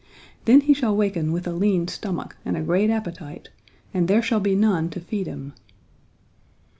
Then he shall waken with a lean stomach and a great appetite and there shall be none to feed him.'